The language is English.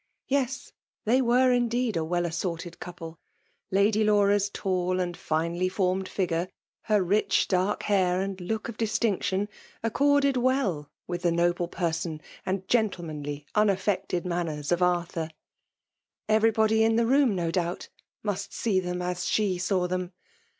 Yes ! they were indeed a well assorted couple ! Lady Laura's tall and finely* formed figure, her rich dark hair aud look of distinction, accorded well with the noble person and gentlemanly, unaffected manners of Ar« ihur. Everybody in the room, no doubt, must see them as she saw them.